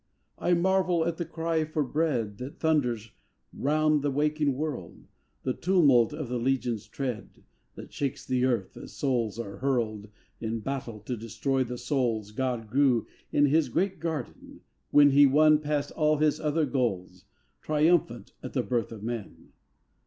I marvel at the cry for bread That thunders round the waking world; The tumult of the legion's tread That shakes the earth, as souls are hurled In battle to destroy the souls God grew in His great garden, when He won past all His other goals Triumphant at the birth of men!